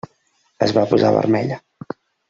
Es va posar vermella.